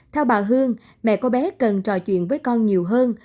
theo bà hương mẹ có bé cần trò chuyện với con nhiều hơn